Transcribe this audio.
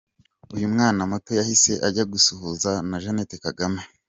Uyu mwana muto yahise ajya gusuhuza na Jeannette Kagame.